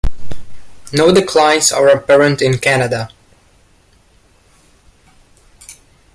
No declines are apparent in Canada.